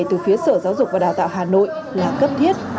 từ phía sở giáo dục và đào tạo hà nội là cấp thiết